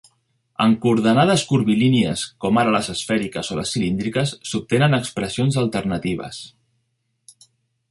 En coordenades curvilínies, com ara les esfèriques o les cilíndriques, s'obtenen expressions alternatives.